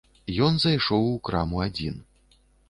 Ён зайшоў у краму адзін.